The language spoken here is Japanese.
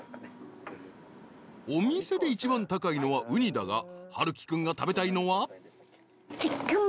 ［お店で一番高いのはうにだがハルキ君が食べたいのは］